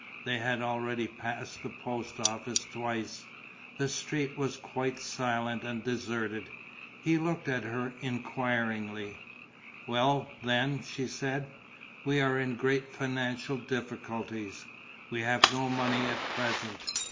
They had already passed the post office twice. The street was quite silent and deserted. He looked at her enquiringly. "Well, then," she said, "we are in great financial difficulties. We have no money at present.